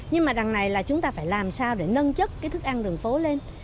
nhưng mà đằng này là chúng ta phải làm sao để nâng chất cái thức ăn đường phố lên